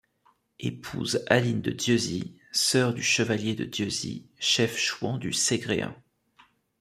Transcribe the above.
Épouse Aline de Dieusie, sœur du Chevalier de Dieusie, chef chouan du Segréen.